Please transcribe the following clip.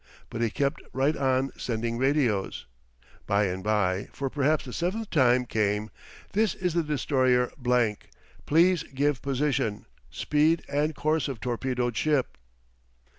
But he kept right on sending radios. By and by, for perhaps the seventh time, came: THIS IS THE DESTROYER BLANK PLEASE GIVE POSITION, SPEED, AND COURSE OF TORPEDOED SHIP.